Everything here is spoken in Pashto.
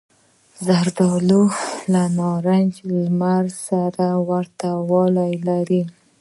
زردالو له نارنجي لمر سره ورته والی لري.